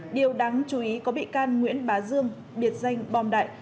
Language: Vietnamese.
điều đáng chú ý có bị can nguyễn bá dương biệt danh bom đại